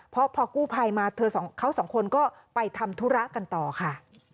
เพราะพอกู้ภัยมาเขาสองคนก็ไปทำธุระกันต่อค่ะ